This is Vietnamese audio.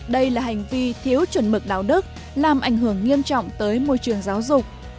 đây là hành vi thiếu chuẩn mực đạo đức làm ảnh hưởng nghiêm trọng tới môi trường giáo dục